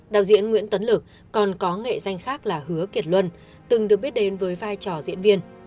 đạo diễn nguyễn tấn lực còn có nghệ danh khác là hứa kiệt luân từng được biết đến với vai trò diễn viên